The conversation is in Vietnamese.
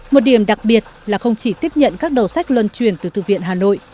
một điểm đặc biệt là không chỉ tiếp nhận các đầu sách luân truyền từ thư viện hà nội